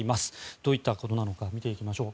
どういったことなのか見ていきましょう。